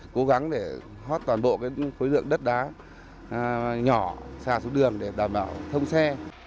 cố gắng để hót toàn bộ khối lượng đất đá nhỏ xà xuống đường để đảm bảo thông xe